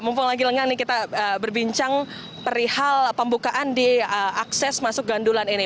mumpung lagi lengang nih kita berbincang perihal pembukaan diakses masuk gandulan ini